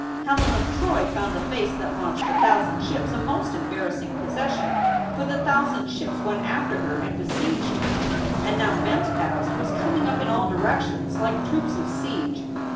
Helen of Troy found the face that launched a thousand ships a most embarrassing possession, for the thousand ships went after her and besieged her. And now Mem s past was coming up in all directions like troops of siege.